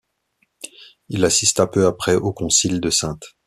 Il assista peu après au concile de Saintes.